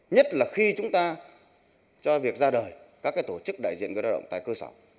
nhất là khi chúng ta cho việc ra đời các tổ chức đại diện người lao động tại cơ sở